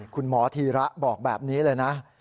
คุณหมอธีระบอกแบบนี้เลยนะ